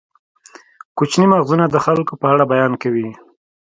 کوچني مغزونه د خلکو په اړه بیان کوي.